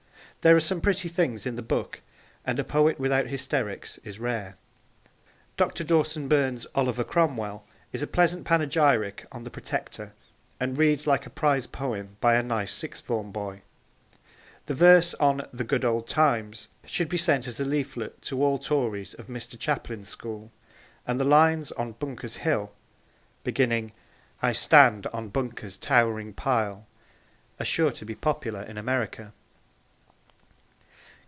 There are some pretty things in the book, and a poet without hysterics is rare. Dr. Dawson Burns's Oliver Cromwell is a pleasant panegyric on the Protector, and reads like a prize poem by a nice sixth form boy. The verses on The Good Old Times should be sent as a leaflet to all Tories of Mr. Chaplin's school, and the lines on Bunker's Hill, beginning, I stand on Bunker's towering pile, are sure to be popular in America.